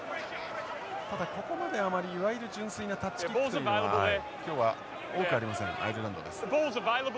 ただここまではあまりいわゆる純粋なタッチキックというのは今日は多くありませんアイルランドです。